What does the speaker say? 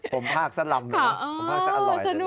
ผมภาคซะลำเลยนะผมภาคจะอร่อยเลยนะ